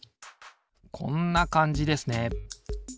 こんなかんじですね。